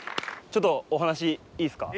ちょっとお話いいですか？